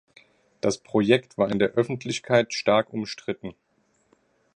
Das Projekt war in der Öffentlichkeit stark umstritten.